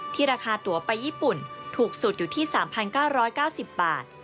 ราคาตัวไปญี่ปุ่นถูกสุดอยู่ที่๓๙๙๐บาท